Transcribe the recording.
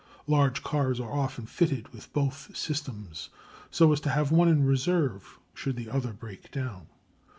Large cars are often fitted with both systems, so as to have one in reserve should the other break down.